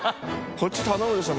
こっち頼むでしょ